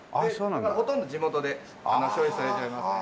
だからほとんど地元で消費されちゃいますね。